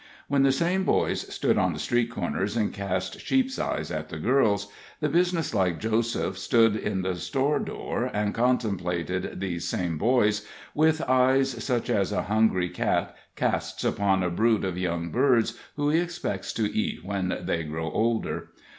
When the same boys stood on the street corners and cast sheep's eyes at the girls, the business like Joseph stood in the store door and contemplated these same boys with eyes such as a hungry cat casts upon a brood of young birds who he expects to eat when they grow older.